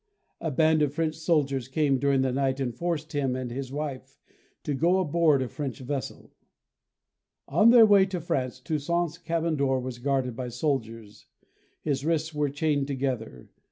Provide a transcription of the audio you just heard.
A band of French soldiers came during the night and forced him and his wife to go aboard a French vessel. On their way to France Toussaint's cabin door was guarded by soldiers. His wrists were chained together.